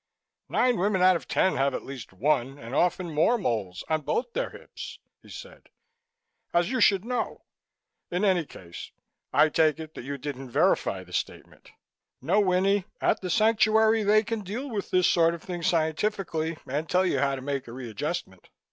"Nine women out of ten have at least one and often more moles on both their hips," he said, "as you should know. In any case, I take it that you didn't verify the statement. No, Winnie, at the Sanctuary they can deal with this sort of thing scientifically and tell you how to make the readjustment."